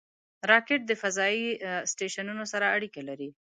راکټ د فضایي سټیشنونو سره اړیکه لري